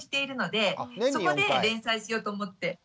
そこで連載しようと思って。